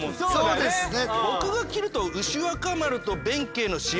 そうですね。